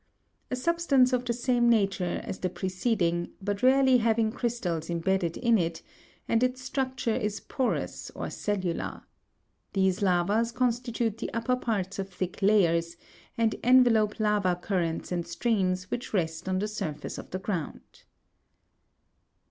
A substance of the same nature as the preceding, but rarely having crystals embedded in it, and its structure is porous, or cellular. These lavas consti tute the upper parts of thick layers, and envelope lava currents and streams which rest on the surface of the ground.